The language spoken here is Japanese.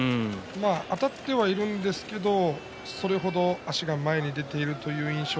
あたってはいるんですけれどもそれ程足が前に出ているという印象